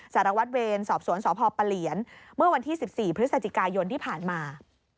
สารวัตรเวรสอบสวนสพปะเหลียนเมื่อวันที่๑๔พฤศจิกายนที่ผ่านมา